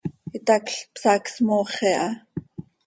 Itacl psaac smooxi aha.